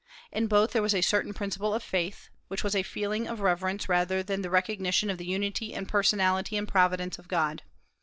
In both there was a certain principle of faith, which was a feeling of reverence rather than the recognition of the unity and personality and providence of God.